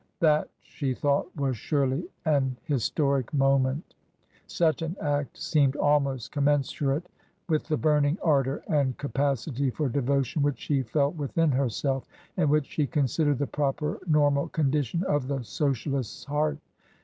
That, she thought, was surely an historic moment ! Such an act seemed almost commensurate with the burning ardour and capacity for devotion which she felt within herself, and which she considered the proper normal condition of the Socialist's heart.